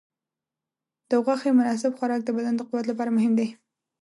د غوښې مناسب خوراک د بدن د قوت لپاره مهم دی.